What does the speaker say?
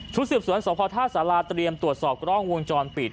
ชุดสืบสวนสภศเรียมตรวจสอบกล้องวงจรปิด